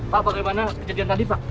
pak bagaimana kejadian tadi pak